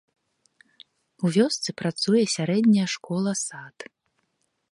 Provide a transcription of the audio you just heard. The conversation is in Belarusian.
У вёсцы працуе сярэдняя школа-сад.